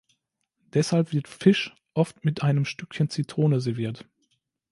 Deshalb wird Fisch oft mit einem Stückchen Zitrone serviert.